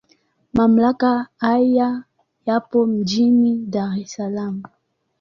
Mamlaka haya yapo mjini Dar es Salaam.